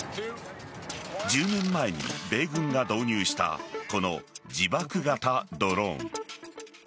１０年前に米軍が導入したこの自爆型ドローン。